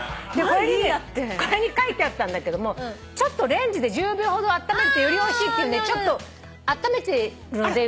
これに書いてあったんだけどもちょっとレンジで１０秒ほどあっためるとよりおいしいっていうんでちょっとあっためてるので。